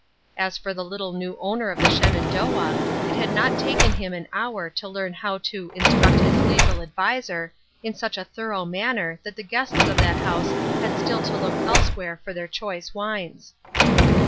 As for the little new owner of the Shen andoah, it had not taken him an hour to learn how to " instruct his legal adviser" in such a thorough manner that the guests of that house had still to look elsewhere for their choice wines.